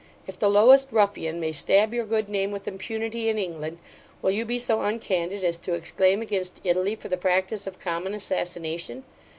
If the lowest ruffian may stab your good name with impunity in England, will you be so uncandid as to exclaim against Italy for the practice of common assassination?